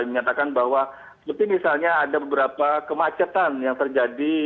menyatakan bahwa seperti misalnya ada beberapa kemacetan yang terjadi